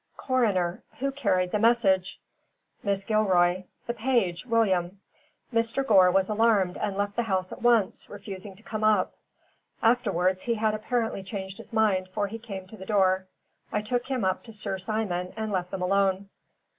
Coroner: "Who carried the message?" Mrs. Gilroy: "The page, William. Mr. Gore was alarmed and left the house at once, refusing to come up. Afterwards he had apparently changed his mind, for he came to the door. I took him up to Sir Simon and left them alone."